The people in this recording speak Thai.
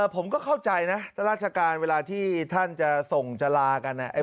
ผมก็เข้าใจนะราชการเวลาที่ท่านจะส่งจะลากัน